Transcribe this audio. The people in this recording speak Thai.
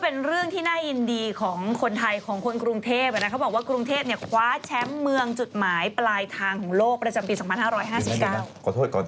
ก็ไม่ยินดีของคนไทยของคนกรุงเทพนะเขาบอกว่ากรุงเทพเนี่ยคว้าแชมป์เมืองจุดหมายปลายทางของโลกประจำปีสักที่๒๕๐กิเดี๋ยว